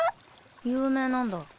⁉有名なんだ？